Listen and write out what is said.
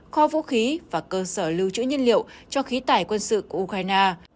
kho vũ khí và cơ sở lưu trữ nhân liệu cho khí tải quân sự của ukraine